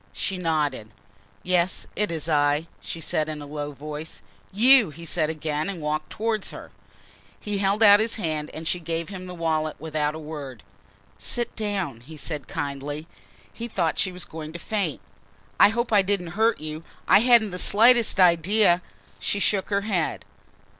She nodded. "Yes, it is I," she said in a low voice. "You!" he said again and walked towards her. He held out his hand and she gave him the wallet without a word. "Sit down," he said kindly. He thought she was going to faint. "I hope I didn't hurt you? I hadn't the slightest idea " She shook her head.